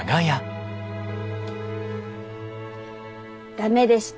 駄目でした。